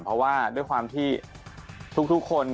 เพราะว่าด้วยความที่ทุกคน